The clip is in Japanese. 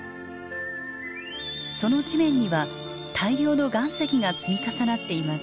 その地面には大量の岩石が積み重なっています。